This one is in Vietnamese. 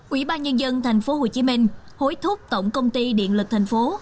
ủy ban nhân dân tp hcm hối thúc tổng công ty điện lực thành phố